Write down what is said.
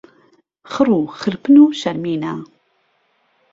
خڕ و خرپن و شهرمینه